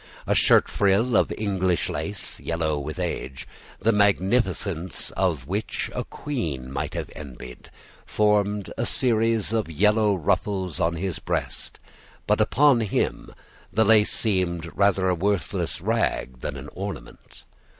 A shirt frill of English lace, yellow with age, the magnificence of which a queen might have envied, formed a series of yellow ruffles on his breast; but upon him the lace seemed rather a worthless rag than an ornament.